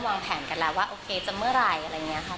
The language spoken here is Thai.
วางแผนกันแล้วว่าโอเคจะเมื่อไหร่อะไรอย่างนี้ค่ะ